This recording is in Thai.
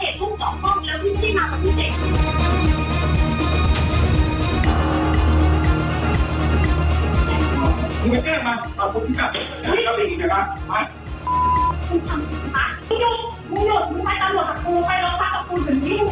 เหมือนกับค